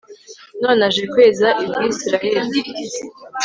none aje kweza i bwisirayeli